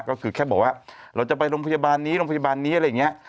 ก็คือแค่บอกว่าเราจะไปโรงพยาบาลนี้โรงพยาบาลนี้อะไรอย่างนี้